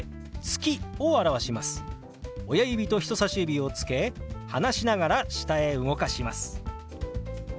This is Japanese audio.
親指と人さし指をつけ離しながら下へ動かします。